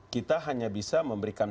kita hanya bisa memberikan